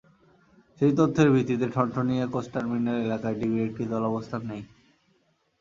সেই তথ্যের ভিত্তিতে ঠনঠনিয়া কোচ টার্মিনাল এলাকায় ডিবির একটি দল অবস্থান নেয়।